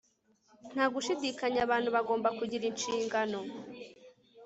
ntagushidikanya abantu bagomba kugira inshingano